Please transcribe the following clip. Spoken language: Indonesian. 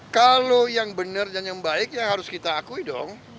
kalau yang benar dan yang baik ya harus kita akui dong